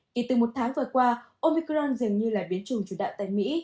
kể từ một tháng vừa qua omicron dường như là biến chủng chủ đạo tại mỹ